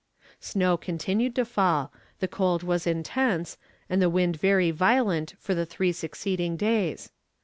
Snow continued to fall, the cold was intense, and the wind very violent for the three succeeding days.